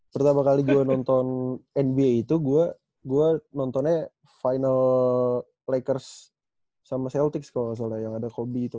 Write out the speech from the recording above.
pertama kali gue nonton nba itu gue nontonnya final lakers sama celtics kalau gak salah yang ada hobi itu